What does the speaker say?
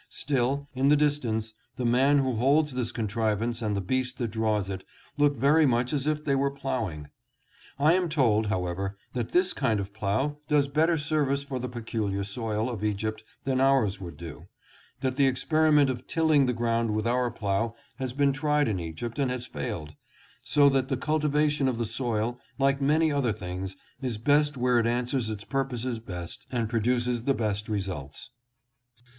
Still, in the distance, the man who holds this contriv ance and the beast that draws it look very much as if they were plowing. I am told, however, that this kind of plow does better service for the peculiar soil of Egypt than ours would do ; that the experiment of tilling the ground with our plow has been tried in Egypt and has failed ; so that the cultivation of the soil, like many other things, is best where it answers its purposes best and produces the best results.